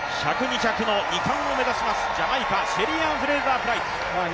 １００、２００の２冠を目指しますジャマイカ、シェリーアン・フレイザー・プライス。